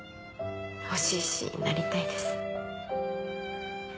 欲しいしなりたいです。